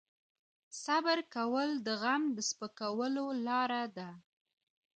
صبر کول د غم د سپکولو لاره ده.